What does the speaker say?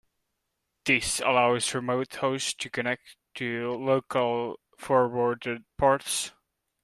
This allows remote hosts to connect to local forwarded ports.